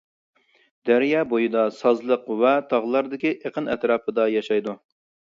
دەريا بويىدا، سازلىق ۋە تاغلاردىكى ئېقىن ئەتراپىدا ياشايدۇ.